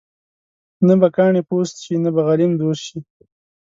نه به کاڼې پوست شي ، نه به غلیم دوست شي.